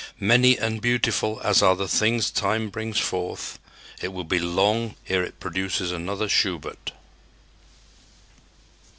Many and beautiful as are the things Time brings forth, it will be long ere it produces another Schubert."